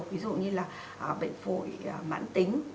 ví dụ như là bệnh phụ mãn tính